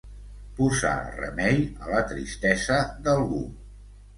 Posar remei a la tristesa d'algú.